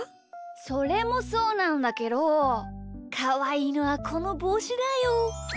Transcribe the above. それもそうなんだけどかわいいのはこのぼうしだよ。